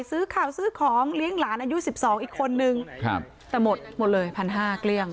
ซื้อข่าวซื้อของเลี้ยงหลานอายุ๑๒อีกคนนึงแต่หมดหมดเลยพันห้าเกลี้ยง